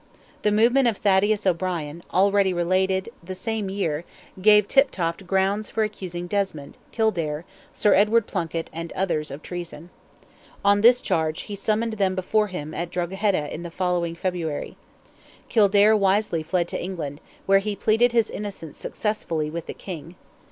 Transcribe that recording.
The movement of Thaddeus O'Brien, already related, the same year, gave Tiptoft grounds for accusing Desmond, Kildare, Sir Edward Plunkett, and others, of treason. On this charge he summoned them before him at Drogheda in the following February. Kildare wisely fled to England, where he pleaded his innocence successfully with the King.